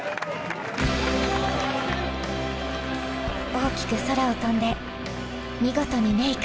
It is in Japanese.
大きく空を飛んで見事にメイク。